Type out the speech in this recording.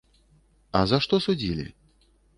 А за што судзілі?